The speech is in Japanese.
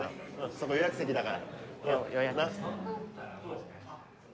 そこ予約席だからな。